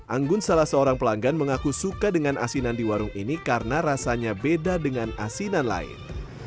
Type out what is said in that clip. anggun salah seorang pelanggan mengaku suka dengan asinan di warung ini karena rasanya beda dengan asinan lain